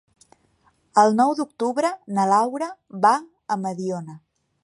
El nou d'octubre na Laura va a Mediona.